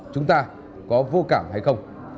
chúng ta có vô cảm hay không